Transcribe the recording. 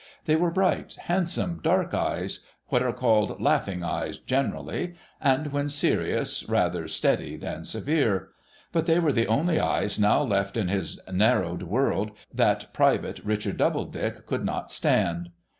They were bright, handsome, dark eyes, — what are called laughing eyes generally, and, when serious, rather steady than severe, — but they were the only eyes now left in his narrowed world that Private Richard Doubledick could not stand.